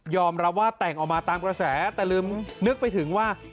รับว่าแต่งออกมาตามกระแสแต่ลืมนึกไปถึงว่า